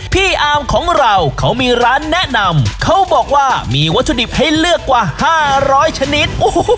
พี่อาร์มของเราเขามีร้านแนะนำเขาบอกว่ามีวัตถุดิบให้เลือกกว่า๕๐๐ชนิด